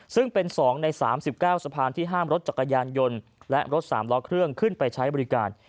ซึ่งเป็น๒ใน๓๙สะพานที่ห้ามรถจักรยานยนต์และรถ๓ล้อเครื่องขึ้นไปใช้บริการ